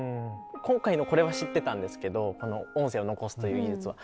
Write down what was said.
今回のこれは知ってたんですけどこの音声を残すという技術は。